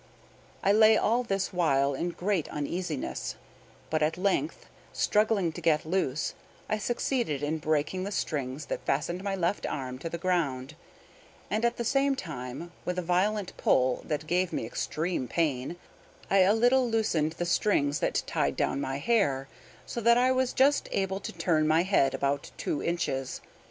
I lay all this while in great uneasiness; but at length, struggling to get loose, I succeeded in breaking the strings that fastened my left arm to the ground; and at the same time, with a violent pull that gave me extreme pain, I a little loosened the strings that tied down my hair, so that I was just able to turn my head about two inches.